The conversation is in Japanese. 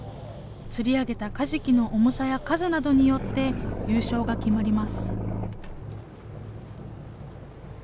釣り上げたカジキの重さや数などによって、優勝が決まります。